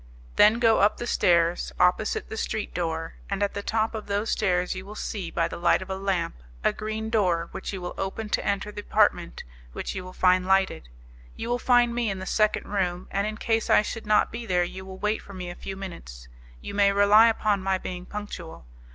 Then go up the stairs opposite the street door, and at the top of those stairs you will see, by the light of a lamp, a green door which you will open to enter the apartment which you will find lighted. You will find me in the second room, and in case I should not be there you will wait for me a few minutes; you may rely upon my being punctual.